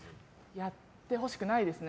やってほしくないですね。